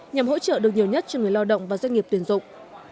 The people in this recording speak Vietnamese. nhằm hỗ trợ được nhiều nhất cho người lao động và doanh nghiệp tuyển dụng